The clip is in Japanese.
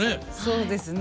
そうですね。